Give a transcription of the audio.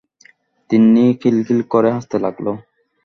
তিন্নি খিলখিল করে হাসতে লাগল।